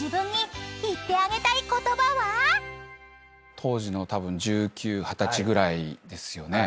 当時の１９二十歳ぐらいですよね。